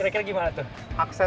kira kira gimana tuh